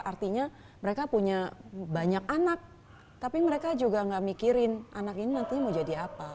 artinya mereka punya banyak anak tapi mereka juga gak mikirin anak ini nanti mau jadi apa